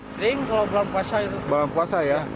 sering kalau belum puas